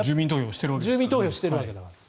住民投票しているわけだから。